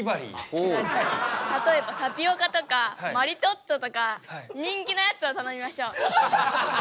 例えばタピオカとかマリトッツォとか人気なやつを頼みましょう。